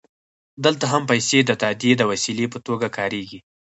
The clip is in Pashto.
دلته هم پیسې د تادیې د وسیلې په توګه کارېږي